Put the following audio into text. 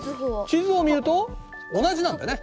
地図を見ると同じなんだね。